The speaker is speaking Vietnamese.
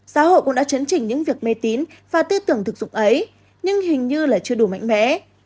xã hội cũng đã chấn chỉnh những việc mê tín và tư tưởng thực dụng ấy nhưng hình như là chưa đủ mạnh mẽ